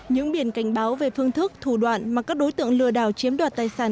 những biển cảnh báo về phương thức thủ đoạn mà các đối tượng lừa đảo chiếm đoạt tài sản